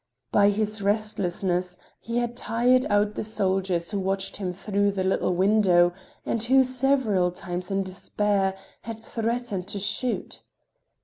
By his restlessness, he had tired out the soldiers who watched him through the little window, and who, several times, in despair, had threatened to shoot.